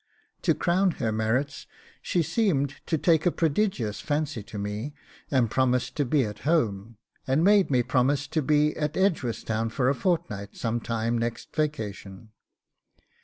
... To crown her merits, she seemed to take a prodigious fancy to me, and promised to be at home, and made me promise to be at Edgeworthstown for a fortnight some time next vacation.